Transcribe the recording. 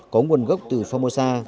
có nguồn gốc từ phomosa